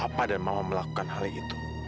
apa yang dia bilang tadi